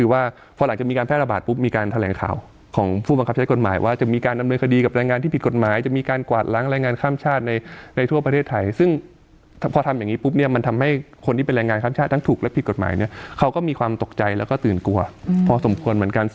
ว่าพอหลังจากมีการแพร่ระบาดปุ๊บมีการแถลงข่าวของผู้บังคับใช้กฎหมายว่าจะมีการดำเนินคดีกับแรงงานที่ผิดกฎหมายจะมีการกวาดล้างแรงงานข้ามชาติในทั่วประเทศไทยซึ่งพอทำอย่างนี้ปุ๊บเนี่ยมันทำให้คนที่เป็นแรงงานข้ามชาติทั้งถูกและผิดกฎหมายเนี่ยเขาก็มีความตกใจแล้วก็ตื่นกลัวพอสมควรเหมือนกัน